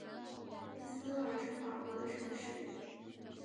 伊斯特尔是法国的城市。